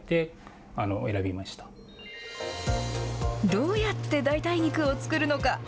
どうやって代替肉を作るのか。